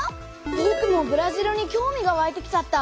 ぼくもブラジルに興味がわいてきちゃった。